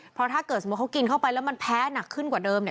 เพราะถ้าเกิดสมมุติเขากินเข้าไปแล้วมันแพ้หนักขึ้นกว่าเดิมเนี่ย